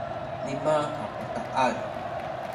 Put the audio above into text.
lima a bataan